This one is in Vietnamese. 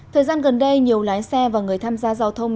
thời gian gần đây nhiều lái xe và người tham gia giao thông